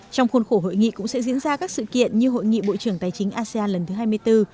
trong khuôn khổ hội nghị cũng sẽ diễn ra các sự kiện như hội nghị bộ trưởng tài chính asean lần thứ hai mươi bốn